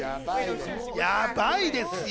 やばいですよ。